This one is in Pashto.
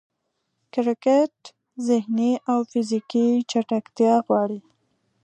کرکټ ذهني او فزیکي چټکتیا غواړي.